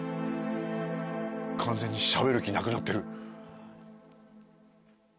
完全にしゃべる気なくなってる。